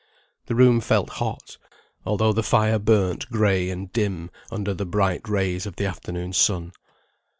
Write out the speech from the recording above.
The room felt hot, although the fire burnt gray and dim, under the bright rays of the afternoon sun.